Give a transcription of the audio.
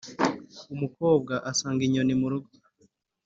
umukobwa asanga inyoni mu murugo